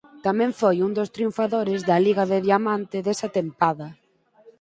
Tamén foi un dos triunfadores da Liga de Diamante desa tempada.